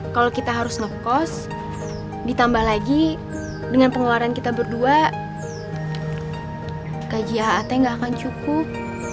kalau kita harus ngekos ditambah lagi dengan pengeluaran kita berdua gaji hat nggak akan cukup